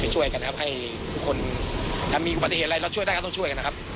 ให้ทุกคนถ้ามีปฏิเหตุอะไรเราช่วยได้ก็ต้องช่วยกันนะครับ